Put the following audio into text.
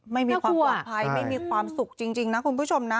ไม่มีความปลอดภัยไม่มีความสุขจริงนะคุณผู้ชมนะ